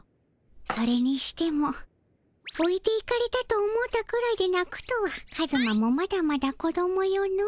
それにしてもおいていかれたと思うたくらいでなくとはカズマもまだまだ子どもよの。